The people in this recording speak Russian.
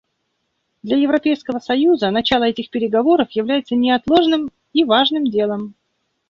Для Европейского союза начало этих переговоров является неотложным и важным делом.